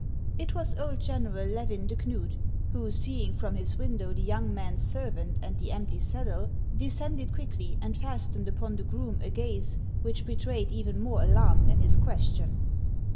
It was old General Levin de Kntid, who, seeing from his window the young man's servant and the empty saddle, descended quickly, and fastened upon the groom a gaze which betrayed even more alarm than his question.